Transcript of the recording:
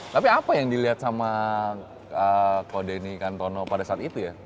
tapi apa yang dilihat sama kodeni kantono pada saat itu ya